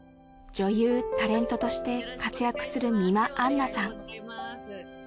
女優・タレントとして活躍する美馬アンナさん